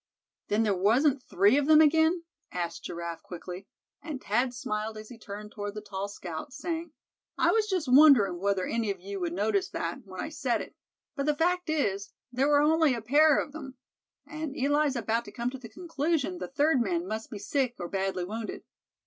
"Then there wasn't three of them again?" asked Giraffe, quickly; and Thad smiled as he turned toward the tall scout, saying: "I was just wondering whether any of you would notice that, when I said it; but the fact is, there were only a pair of 'em; and Eli's about come to the conclusion the third man must be sick, or badly wounded.